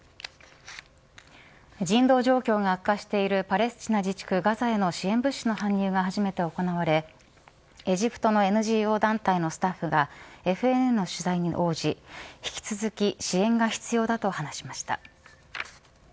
人道状況が悪化しているパレスチナ自治区ガザへの支援物資の搬入が初めて行われエジプトのＮＧＯ団体のスタッフがＦＮＮの取材に応じ引き続き支援が必要だと話しました。